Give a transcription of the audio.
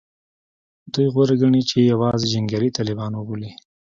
دوی غوره ګڼي چې یوازې جنګیالي طالبان وبولي